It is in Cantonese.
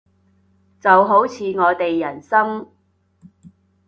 就好似我哋人生